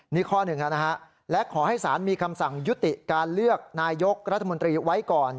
นี่ข้อหนึ่งนะฮะและขอให้ศาลมีคำสั่งยุติการเลือกนายกรัฐมนตรีไว้ก่อน